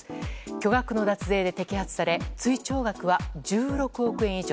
巨額の脱税で摘発され追徴額は１６億円以上。